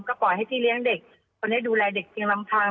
ก็ปล่อยให้พี่เลี้ยงเด็กคนนี้ดูแลเด็กเพียงลำพัง